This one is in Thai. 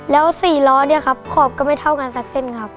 แล้ว๔ล้อเนี่ยครับขอบก็ไม่เท่ากันสักเส้นครับ